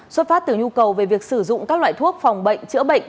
xuất phát từ nhu cầu về việc sử dụng các loại thuốc phòng bệnh chữa bệnh